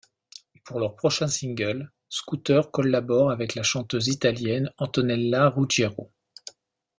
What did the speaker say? Pour leur prochain single ', Scooter collabore avec la chanteuse italienne Antonella Ruggiero.